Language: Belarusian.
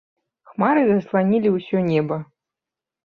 Хмары засланілі ўсё неба.